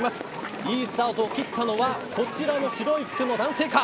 いいスタートを切ったのはこちらの白い服の男性か。